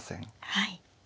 はい。